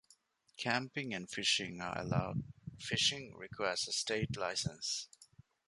Camping and fishing are allowed; fishing requires a state license.